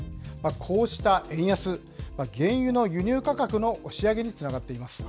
こうした円安、原油の輸入価格の押し上げにつながっています。